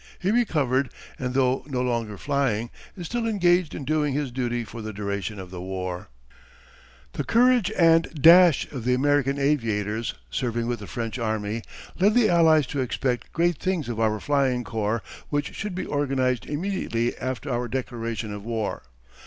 He recovered, and though no longer flying is still engaged in doing his duty for the duration of the war. [Illustration: Raid on a Troop Train by John E. Whiting.] The courage and dash of the American aviators, serving with the French Army, led the Allies to expect great things of our flying corps which should be organized immediately after our declaration of war.